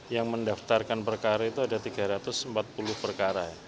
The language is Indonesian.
yang mendaftarkan perkara itu ada tiga ratus empat puluh perkara